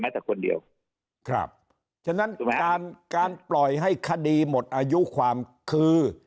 แต่คนเดียวครับฉะนั้นการการปล่อยให้คดีหมดอายุความคือ